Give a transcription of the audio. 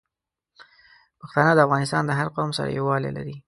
پښتانه د افغانستان د هر قوم سره یوالی لري.